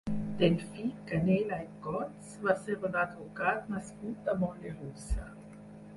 Delfí Canela i Cots va ser un advocat nascut a Mollerussa.